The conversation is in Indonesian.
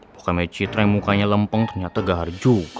pokoknya citra yang mukanya lempeng ternyata gahar juga